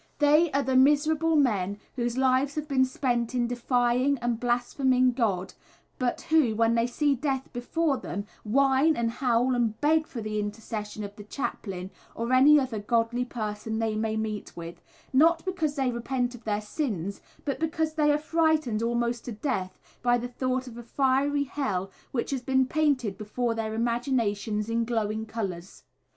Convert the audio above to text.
They are the miserable men whose lives have been spent in defying and blaspheming God, but who, when they see death before them, whine and howl, and beg for the intercession of the chaplain or any other godly person they may meet with, not because they repent of their sins, but because they are frightened almost to death by the thought of a fiery hell, which has been painted before their imaginations in glowing colours.